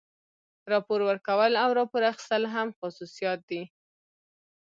راپور ورکول او راپور اخیستل هم خصوصیات دي.